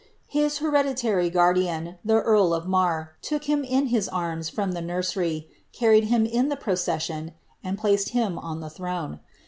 His hereditary guardian, the earl of Marr, took him in his arms from the nursery, carried him in the procession, and placed him on the throne.